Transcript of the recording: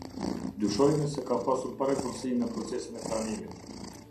Dyshojnë se ka pasur parregullsi në procesin e pranimit.